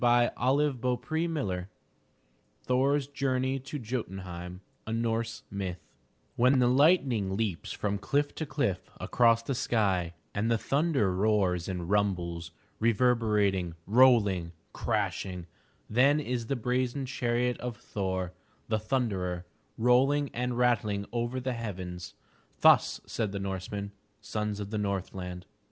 435 MY BOOK HOUSE THORNS JOURNEY TO JOTUN HEIM A Norse Myth I HEN the Ughtning leaps from cliff to cliff across the sky, and the thunder roars and rumbles, reverberating, roll ing, crashing, then is the brazen chariot of Thor, the Thunderer, rolling and rattling over the heavens; — thus said the Norsemen, sons of the Northland.